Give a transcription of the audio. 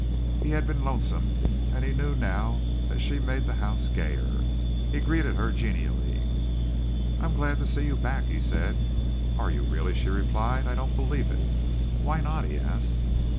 He had been lonesome, and he knew now that she made the house gayer. He greeted her genially. "I'm glad to see you back," he said. "Are you really?" she replied. "I don't believe it." "Why not?" he asked.